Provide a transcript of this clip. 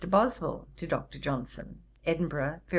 BOSWELL TO DR. JOHNSON. 'Edinburgh, Feb.